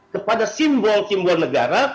kepada simbol simbol negara